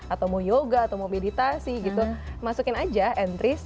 atau mau yoga atau mau meditasi gitu masukin aja entris